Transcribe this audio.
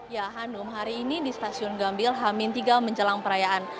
ya hanum hari ini di sasyun gambir hamintiga menjelang perayaan